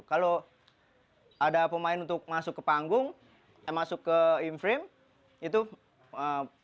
kalau ada pemain untuk masuk ke panggung masuk ke inframe itu diiringi sama musik